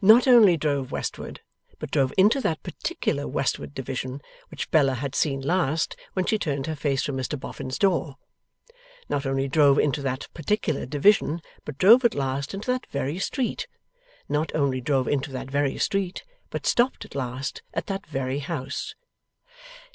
Not only drove westward, but drove into that particular westward division, which Bella had seen last when she turned her face from Mr Boffin's door. Not only drove into that particular division, but drove at last into that very street. Not only drove into that very street, but stopped at last at that very house.